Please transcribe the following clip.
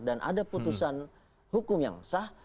dan ada putusan hukum yang sah